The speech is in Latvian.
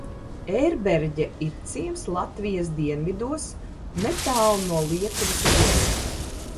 Ērberģe ir ciems Latvijas dienvidos, netālu no Lietuvas robežas.